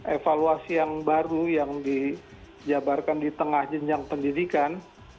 evaluasi yang baru yang dijabarkan di tengah jenjang pendidikan